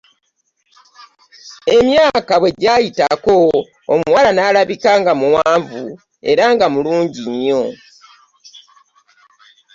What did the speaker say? Emyaka bwe gyayitawo, omuwala n'alabika nga muwanvu, era nga mulungi nnyo.